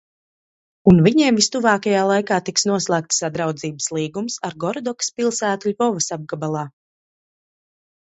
Un viņiem vistuvākajā laikā tiks noslēgts sadraudzības līgums ar Gorodokas pilsētu Ļvovas apgabalā.